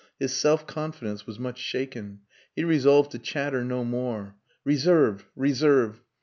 His self confidence was much shaken. He resolved to chatter no more. Reserve! Reserve!